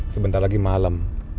sebentar lagi malam